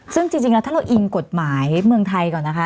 ซึ่งจริงแล้วถ้าเราอิงกฎหมายเมืองไทยก่อนนะคะ